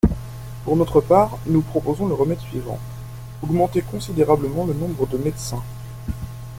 Pour notre part, nous proposons le remède suivant : augmenter considérablement le nombre de médecins.